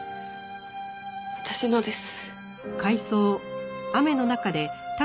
私のです。